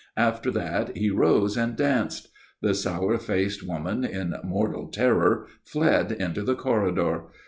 After that he rose and danced. The sour faced Englishwoman, in mortal terror, fled into the corridor.